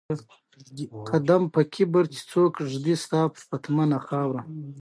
هغوی د نرم خوبونو د لیدلو لپاره ناست هم وو.